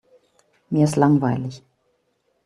Mir ist langweilig.